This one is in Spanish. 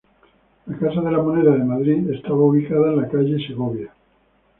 La Casa de la Moneda de Madrid estaba ubicada en la calle de Segovia.